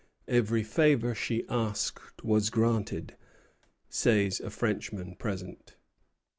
"Every favor she asked was granted," says a Frenchman present.